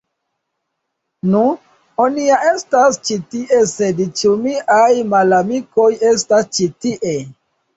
Nu.. Oni ja estas ĉi tie sed ĉu miaj malamikoj estas ĉi tie?